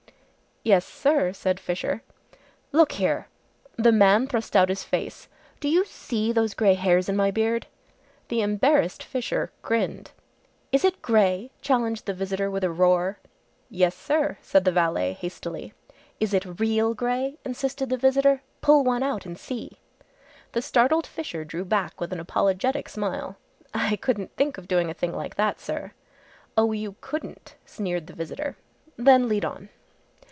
"Yes, sir," said Fisher. "Look here!" The man thrust out his face. "Do you see those grey hairs in my beard?" The embarrassed Fisher grinned. "Is it grey!" challenged the visitor, with a roar. "Yes, sir," said the valet hastily. "Is it real grey?" insisted the visitor. "Pull one out and see!" The startled Fisher drew back with an apologetic smile. "I couldn't think of doing a thing like that, sir." "Oh, you couldn't," sneered the visitor; "then lead on!"